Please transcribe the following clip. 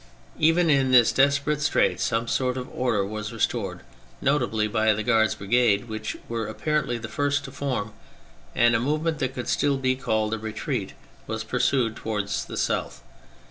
Even in this desperate strait some sort of order was restored, notably by the Guards Brigade, which were apparently the first to form, and a movement that could still be called a retreat was pursued towards the south.